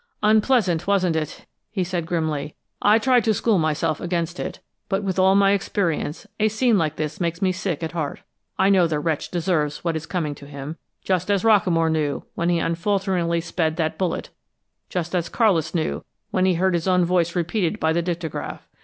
"Unpleasant, wasn't it?" he asked grimly. "I try to school myself against it, but with all my experience, a scene like this makes me sick at heart. I know the wretch deserves what is coming to him, just as Rockamore knew when he unfalteringly sped that bullet just as Carlis knew when he heard his own voice repeated by the dictagraph.